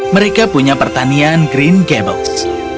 mereka punya pertanian green gables